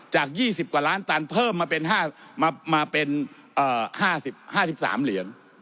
จาก๒๐กว่าล้านตันเพิ่มมาเป็นมาเป็น๕๓เหรียญ